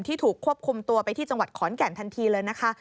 ถูกควบคุมตัวไปที่จังหวัดขอนแก่นทันทีเลยนะคะ